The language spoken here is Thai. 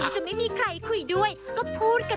ส่วนอันนี้ไม่เกี่ยวกับครีมเหรอ